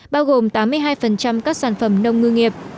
bao gồm tám mươi hai các sản phẩm nông ngư nghiệp